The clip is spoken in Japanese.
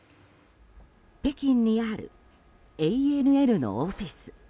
北京にあるＡＮＮのオフィス。